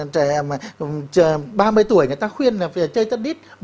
ba mươi tuổi người ta khuyên là chơi tennis